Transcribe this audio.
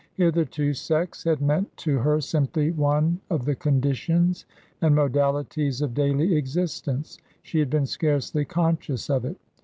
Hitherto Sex had meant to her simply one of the conditions and modalities of daily existence ; she had been scarcely conscious of it.